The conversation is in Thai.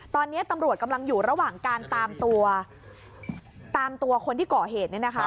ตอนนี้ตำรวจกำลังอยู่ระหว่างการตามตัวตามตัวคนที่ก่อเหตุ